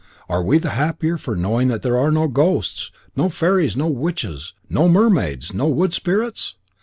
Are we the happier for knowing that there are no ghosts, no fairies, no witches, no mermaids, no wood spirits?